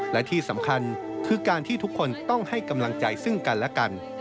และที่สำคัญคือการที่ทุกคนต้องให้กำลังใจซึ่งกันและกัน